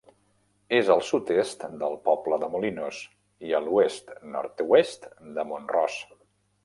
És al sud-est del poble de Molinos, i a l'oest-nord-oest de Mont-ros.